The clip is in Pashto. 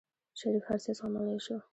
شريف هر څه زغملی شو.